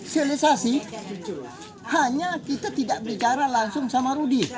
sosialisasi hanya kita tidak bicara langsung sama rudy